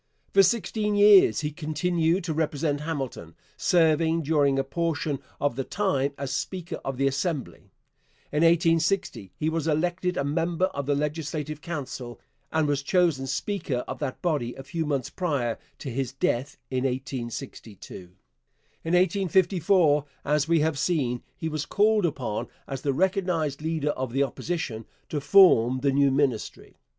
For sixteen years he continued to represent Hamilton, serving during a portion of the time as speaker of the Assembly. In 1860 he was elected a member of the Legislative Council, and was chosen speaker of that body a few months prior to his death in 1862. In 1854, as we have seen, he was called upon, as the recognized leader of the Opposition, to form the new Ministry.